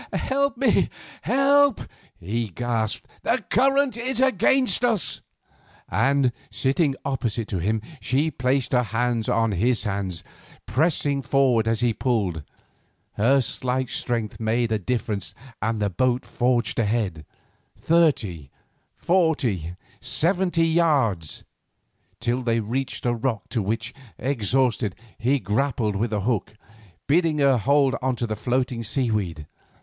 "Help me!" he gasped; "the current is against us." And, sitting opposite to him, she placed her hands upon his hands, pressing forward as he pulled. Her slight strength made a difference, and the boat forged ahead—thirty, forty, seventy yards—till they reached a rock to which, exhausted, he grappled with a hook, bidding her hold on to the floating seaweed.